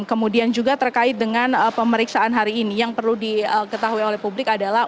kemudian juga terkait dengan pemeriksaan hari ini yang perlu diketahui oleh publik adalah